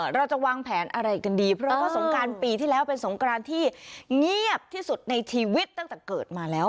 เราจะวางแผนอะไรกันดีเพราะว่าสงการปีที่แล้วเป็นสงกรานที่เงียบที่สุดในชีวิตตั้งแต่เกิดมาแล้ว